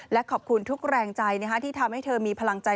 และขอบคุณทุกแรงใจที่ทำให้เธอมีพลังใจ